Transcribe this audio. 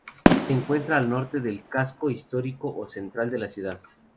Se encuentra al norte del Casco Histórico o Central de la ciudad.